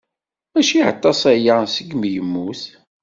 Mačči aṭas-aya seg mi yemmut.